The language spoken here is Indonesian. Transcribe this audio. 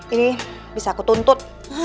ini bisa aku tuntut